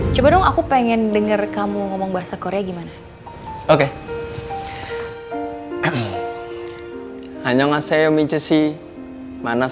coba dong aku pengen denger kamu ngomong bahasa korea gimana